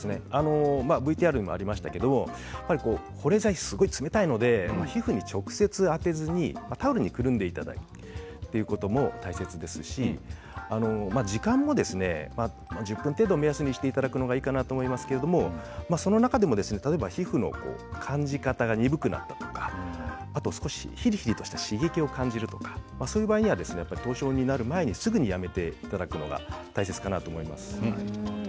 ＶＴＲにもありましたが保冷剤、すごい冷たいので皮膚に直接当てずにタオルにくるんでいただいてということも大切ですし時間も１０分程度を目安にしていただくのがいいかなと思いますしその中でも例えば皮膚の感じ方が鈍くなったとか少しヒリヒリした刺激を感じるとかそういう場合には凍傷になる前にすぐにやめていただくのが大切かなと思います。